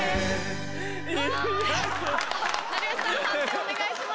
お願いします。